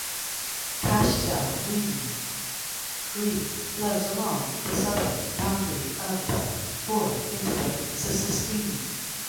Catawissa Creek flows along the southern boundary of the borough into the Susquehanna.